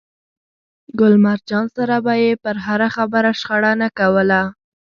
له ګل مرجان سره به يې پر هره خبره شخړه نه کوله.